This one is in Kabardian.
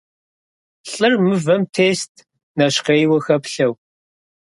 Лӏыр мывэм тест, нэщхъейуэ хэплъэу.